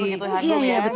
seperti jodoh begitu